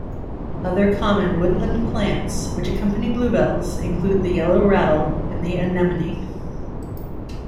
Other common woodland plants which accompany bluebells include the yellow rattle and the anemone.